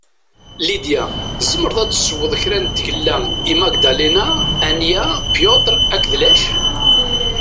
Lidia, tezemreḍ ad tessewweḍ kra n tgella i Magdalena, Ania, Piotr akked Lech?